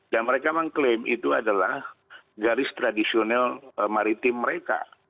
dan mereka mengklaim itu adalah garis tradisional maritim mereka